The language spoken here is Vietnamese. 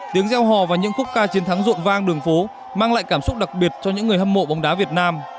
tiếng gieo hò và những khúc ca chiến thắng rộn vang đường phố mang lại cảm xúc đặc biệt cho những người hâm mộ bóng đá việt nam